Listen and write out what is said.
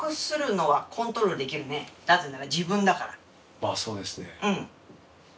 まあそうですね。